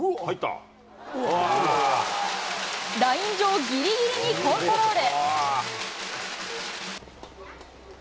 ライン上ぎりぎりにコントロール。